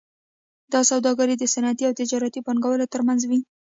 دا سوداګري د صنعتي او تجارتي پانګوالو ترمنځ وي